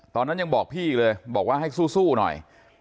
ตอนนั้นยังบอกพี่เลยบอกว่าให้สู้หน่อย